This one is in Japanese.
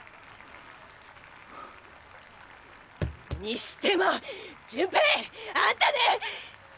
にしても潤平あんたね！